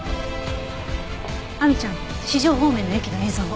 亜美ちゃん四条方面の駅の映像を。